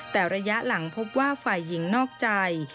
แต่ระยะหลังพบว่าฝ่ายหญิงนอกใจ